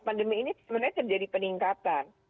pandemi ini sebenarnya terjadi peningkatan